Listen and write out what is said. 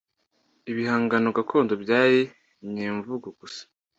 ibihangano gakondo byari nyemvugo gusa